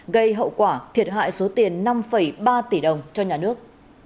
gây hậu quả thiệt hại số tiền năm ba tỷ đồng cho nhà nước